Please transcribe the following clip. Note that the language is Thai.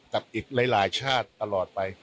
กับอีกหลายชาติตลอดไป